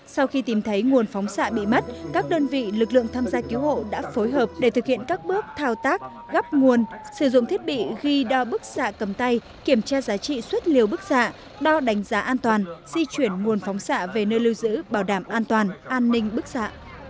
sau khi tìm thấy nguồn phóng xạ bị mất các đơn vị lực lượng tham gia cứu hộ đã phối hợp để thực hiện các bước thao tác gấp nguồn sử dụng thiết bị ghi đo bức xạ cầm tay kiểm tra giá trị xuất liều bức xạ đo đánh giá an toàn di chuyển nguồn phóng xạ về nơi lưu giữ bảo đảm an toàn an ninh bức xạ